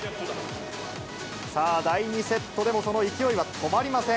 さあ、第２セットでもその勢いは止まりません。